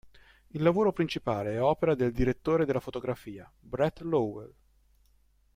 Il lavoro principale è opera del Direttore della fotografia, Bret Lowell.